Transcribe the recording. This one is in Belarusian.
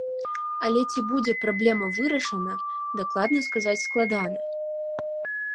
Але ці будзе праблема вырашана, дакладна сказаць складана.